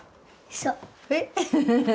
そう。